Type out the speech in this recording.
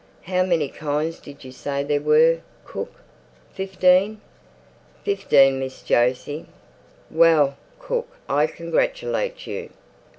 "How many kinds did you say there were, cook? Fifteen?" "Fifteen, Miss Jose." "Well, cook, I congratulate you."